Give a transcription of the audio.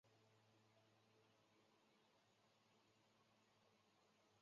雅罗斯拉夫与斯维亚托波尔克的斗争可能在北欧史诗埃德蒙萨迦中有所反映。